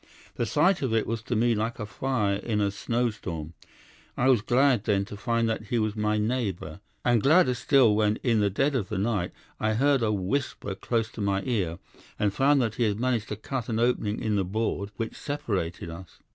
The sight of it was to me like a fire in a snowstorm. I was glad, then, to find that he was my neighbour, and gladder still when, in the dead of the night, I heard a whisper close to my ear, and found that he had managed to cut an opening in the board which separated us.